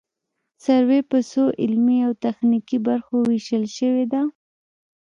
سروې په څو علمي او تخنیکي برخو ویشل شوې ده